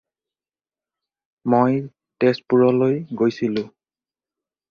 মই তেজপুৰলৈ গৈছিলোঁ।